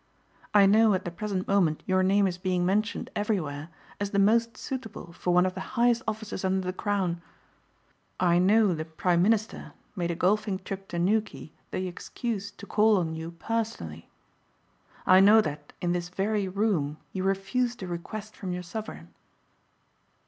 I know at the present moment your name is being mentioned everywhere as the most suitable for one of the highest offices under the crown. I know the prime minister made a golfing trip to Newquay the excuse to call on you personally. I know that in this very room you refused a request from your sovereign."